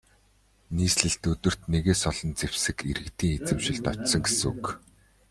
Нийслэлд өдөрт нэгээс олон зэвсэг иргэдийн эзэмшилд очсон гэсэн үг.